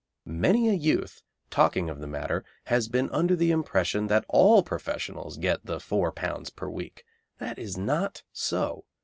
Many a youth, talking of the matter, has been under the impression that all professionals get the £4 per week. That is not so.